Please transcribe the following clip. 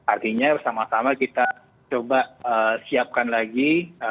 artinya bersama sama kita coba siapkan lagi